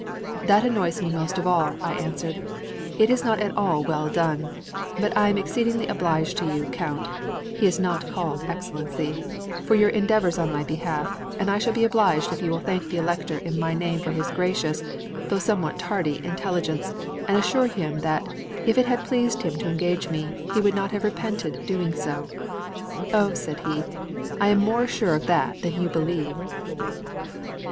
"That annoys me most of all," I answered; "it is not at all well done. But I am exceedingly obliged to you, Count (he is not called Excellency), for your endeavours on my behalf, and I shall be obliged if you will thank the Elector in my name for his gracious, though somewhat tardy, intelligence, and assure him that, if it had pleased him to engage me, he would not have repented doing so." "O," said he, "I am more sure of that than you believe."